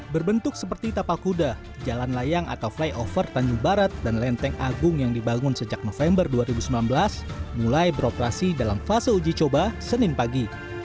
berbentuk seperti tapakuda jalan layang atau flyover tanjung barat dan lenteng agung yang dibangun sejak november dua ribu sembilan belas mulai beroperasi dalam fase uji coba senin pagi